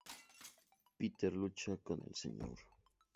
Peter lucha con el Sr.